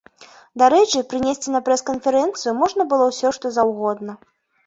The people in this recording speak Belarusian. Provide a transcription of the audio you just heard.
Дарэчы, пранесці на прэс-канферэнцыю можна было ўсё, што заўгодна.